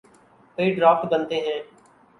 کئی ڈرافٹ بنتے ہیں۔